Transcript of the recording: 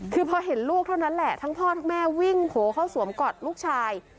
คือพอเห็นลูกเท่านั้นแหละทั้งพ่อทั้งแม่วิ่งโผล่เข้าสวมกอดลูกชาย